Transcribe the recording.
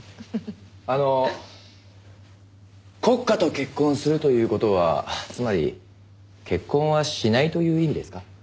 あの国家と結婚するという事はつまり結婚はしないという意味ですか？